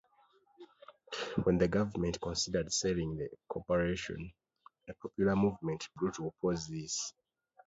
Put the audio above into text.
When the government considered selling the corporation, a popular movement grew to oppose this.